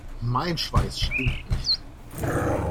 Mein Schweiß stinkt nicht.